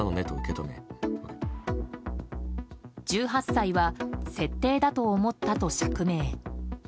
１８歳は設定だと思ったと釈明。